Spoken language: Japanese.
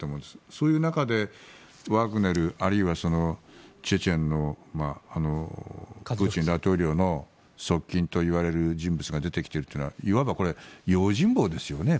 そういう中でワグネルあるいはチェチェンのプーチン大統領の側近といわれる人物が出てきているというのはいわば用心棒ですよね。